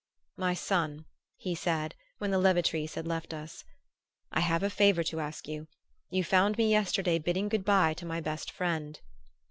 "My son," he said, when the levatrice had left us, "I have a favor to ask you. You found me yesterday bidding good bye to my best friend."